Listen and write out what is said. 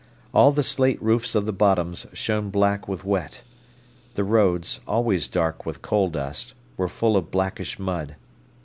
All the slate roofs of the Bottoms shone black with wet. The roads, always dark with coal dust, were full of blackish mud.